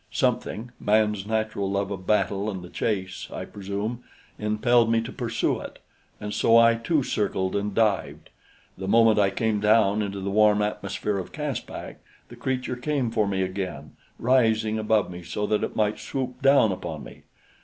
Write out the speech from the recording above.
Something man's natural love of battle and the chase, I presume impelled me to pursue it, and so I too circled and dived. The moment I came down into the warm atmosphere of Caspak, the creature came for me again, rising above me so that it might swoop down upon me.